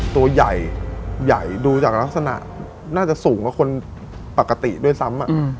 ตัวใหญ่ใหญ่ดูจากลักษณะน่าจะสูงกว่าคนปกติด้วยซ้ำ